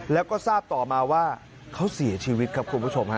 แล้วก็ทราบต่อมาว่าเขาเสียชีวิตครับคุณผู้ชมฮะ